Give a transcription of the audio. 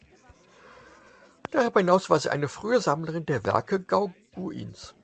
Darüber hinaus war sie eine frühe Sammlerin der Werke Gauguins.